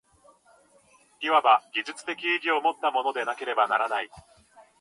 いわば技術的意義をもったものでなければならない。